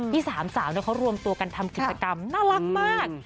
สามสาวเขารวมตัวกันทำกิจกรรมน่ารักมาก